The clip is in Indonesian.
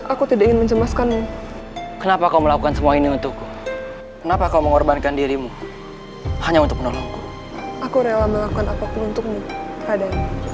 aku tidak ingin mencemaskan kenapa kau melakukan semua ini untukku kenapa kau mengorbankan dirimu hanya untuk menolongku aku rela melakukan apapun untukmu rada